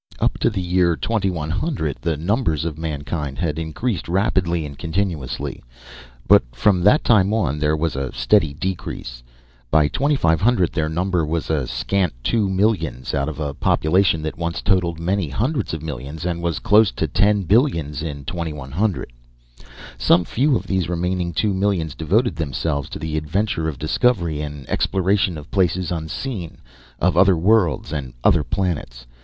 Up to the year 2100, the numbers of mankind had increased rapidly and continuously, but from that time on, there was a steady decrease. By 2500, their number was a scant two millions, out of a population that once totaled many hundreds of millions, and was close to ten billions in 2100. Some few of these remaining two millions devoted themselves to the adventure of discovery and exploration of places unseen, of other worlds and other planets.